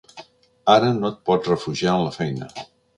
Ara no et pots refugiar en la feina.